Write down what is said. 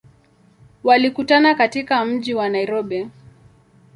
Walikutana katika mji wa Nairobi.